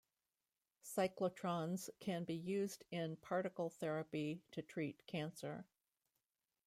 Cyclotrons can be used in particle therapy to treat cancer.